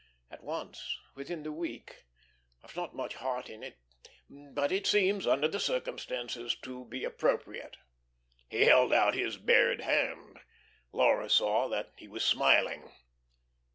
At once, within the week. I've not much heart in it; but it seems under the circumstances to be appropriate." He held out his bared hand. Laura saw that he was smiling.